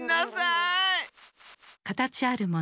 かたちあるもの。